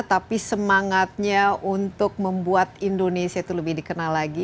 tapi semangatnya untuk membuat indonesia itu lebih dikenal lagi